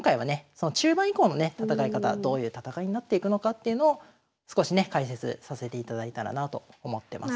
その中盤以降のね戦い方どういう戦いになっていくのかっていうのを少しね解説させていただいたらなと思ってます。